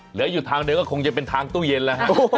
เหลืออยู่ทางเดียวก็คงจะเป็นทางตู้เย็นแล้วฮะ